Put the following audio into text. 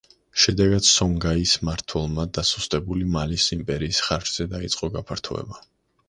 შედეგად სონგაის მმართველებმა დასუსტებული მალის იმპერიის ხარჯზე დაიწყო გაფართოება.